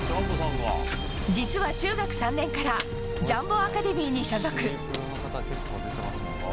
実は、中学３年からジャンボアカデミーに所属。